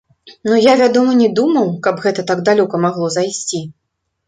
Ну, я, вядома, не думаў, каб гэта так далёка магло зайсці.